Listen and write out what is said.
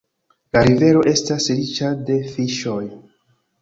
La rivero estas riĉa de fiŝoj.